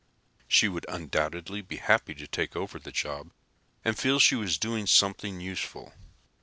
She would undoubtedly be happy to take over the job and feel she was doing something useful.